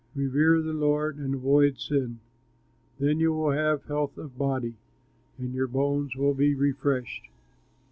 Revere the Lord, and avoid sin. Then you will have health of body And your bones will be refreshed.